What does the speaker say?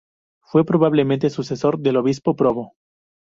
Fue probablemente sucesor del obispo Probo.